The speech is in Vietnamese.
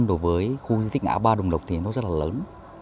đối với khu di tích ngã ba đồng lộc thì nó rất là lớn